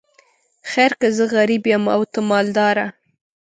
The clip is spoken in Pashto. خیر که زه غریب یم او ته مالداره.